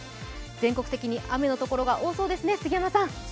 全国的に雨のところが多そうですね、杉山さん。